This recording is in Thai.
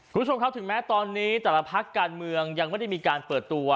คุณผู้ชมครับถึงแม้ตอนนี้แต่ละพักการเมืองยังไม่ได้มีการเปิดตัว